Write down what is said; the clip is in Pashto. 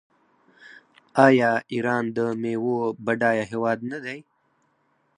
آیا ایران د میوو بډایه هیواد نه دی؟